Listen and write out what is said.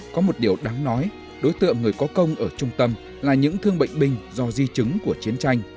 có một điều đáng nói đối tượng người có công ở trung tâm là những thương bệnh binh do di chứng của chiến tranh